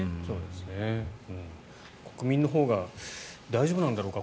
国民のほうが大丈夫なんだろうか